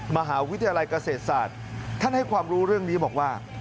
มหาวิทยาลัยเกษตรศาสตร์ท่านให้ความรู้เรื่องนี้บอกว่า